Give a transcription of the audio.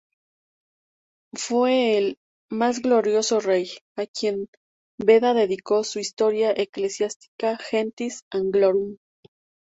Fue el "más glorioso rey" a quien Beda dedicó su "Historia ecclesiastica gentis Anglorum".